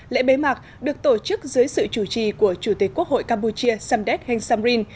lễ bế mạc được tổ chức dưới sự chủ trì của chủ tịch quốc hội campuchia samdet hengsamrin